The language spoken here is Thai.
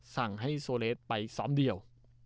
สั่งให้โซเลสไปซ้อมเดียว